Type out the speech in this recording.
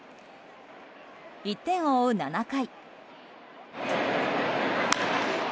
１点を追う７回。